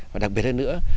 và đặc biệt hơn nữa